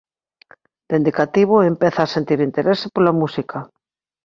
Dende cativo empeza a sentir interese pola música.